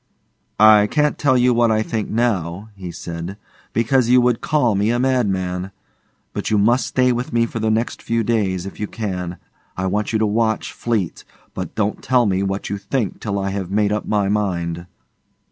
'I can't tell you what I think now,' said he, 'because you would call me a madman; but you must stay with me for the next few days, if you can. I want you to watch Fleete, but don't tell me what you think till I have made up my mind.